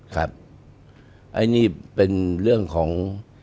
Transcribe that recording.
ครับอันนี้เป็นเรื่องของ